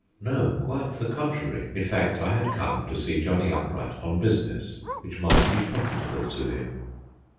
No, quite the contrary; in fact, I had come to see Johnny Upright on business which might be profitable to him.